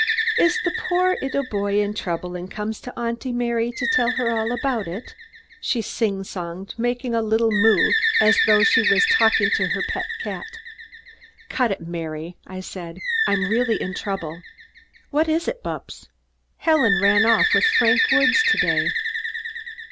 "Is the poor 'ittle boy in trouble and come to Auntie Mary to tell her all about it?" she sing songed, making a little moue, as though she was talking to her pet cat. "Cut it, Mary!" I said. "I'm really in trouble." "What is it, Bupps?" "Helen ran off with Frank Woods to day."